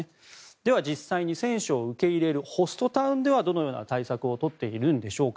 では、実際に選手を受け入れるホストタウンではどのような対策を取っているんでしょうか。